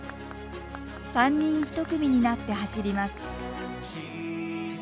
３人一組になって走ります。